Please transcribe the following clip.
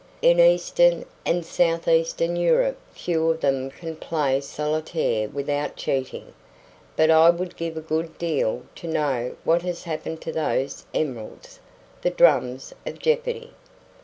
In eastern and southeastern Europe few of them can play solitaire without cheating. But I would give a good deal to know what has happened to those emeralds the drums of jeopardy.